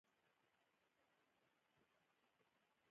غزني د افغانستان د ځانګړي ډول جغرافیې استازیتوب په ښه توګه کوي.